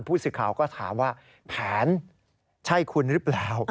ผู้สื่อข่าวก็ถามว่าแผนใช่คุณหรือเปล่า